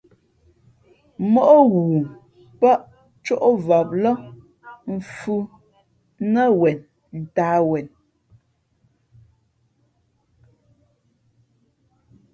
Móʼ ghoo pάʼ cóʼvam lά mfhʉ̄ nά wen ntāh wen.